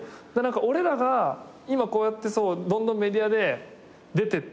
俺らが今こうやってどんどんメディアで出てって。